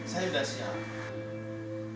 saya sudah siap